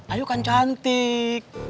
ayu kan cantik